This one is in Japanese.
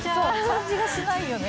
感じがしないよね。